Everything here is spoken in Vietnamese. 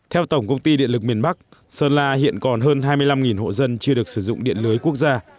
theo tổng công ty điện lực miền bắc sơn la hiện còn hơn hai mươi năm hộ dân chưa được sử dụng điện lưới quốc gia